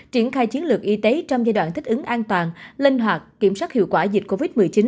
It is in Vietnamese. triển khai chiến lược y tế trong giai đoạn thích ứng an toàn linh hoạt kiểm soát hiệu quả dịch covid một mươi chín